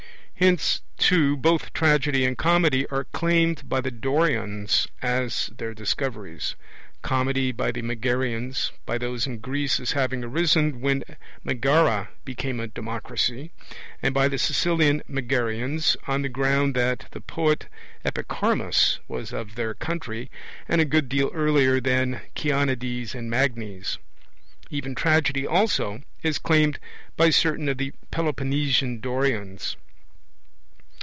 Hence too both Tragedy and Comedy are claimed by the Dorians as their discoveries; Comedy by the Megarians by those in Greece as having arisen when Megara became a democracy, and by the Sicilian Megarians on the ground that the poet Epicharmus was of their country, and a good deal earlier than Chionides and Magnes; even Tragedy also is claimed by certain of the Peloponnesian Dorians.